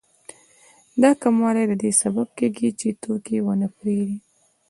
دا کموالی د دې سبب کېږي چې توکي ونه پېري